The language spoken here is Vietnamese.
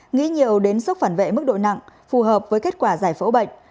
nghĩ nhiều đến sốc phản vệ mức độ nặng phù hợp với kết quả giải phẫu bệnh